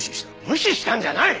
無視したんじゃない！